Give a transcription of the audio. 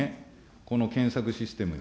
この検索システムに。